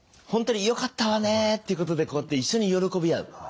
「本当によかったわね」っていうことでこうやって一緒に喜び合う。